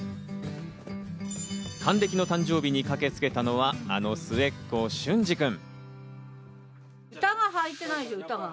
還暦のお誕生日に駆けつけたのは、あの末っ子・隼司君。